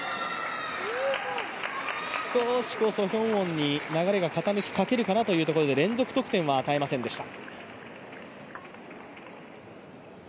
少しソ・ヒョウォンに流れが傾きかけるかなというところで連続得点は与えませんでした。